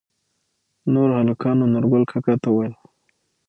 نوور هلکانو نورګل کاکا ته وويل